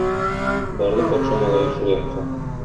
Барды патша малае шул якка.